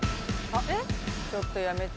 ちょっとやめて。